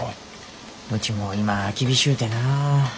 うちも今厳しゅうてな。